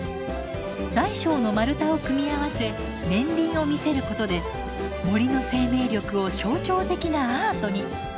大小の丸太を組み合わせ年輪を見せることで森の生命力を象徴的なアートに。